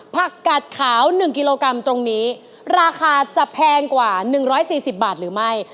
ผักกัดขาว๑กิโลกรัมตรงนี้ราคาจะแพงกว่า๑๔๐บาทหรือไม่